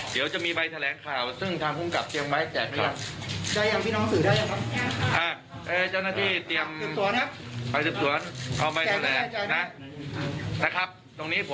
ตรงนี้ผมขออนุญาตให้เก็บกล้ามได้อย่างนี้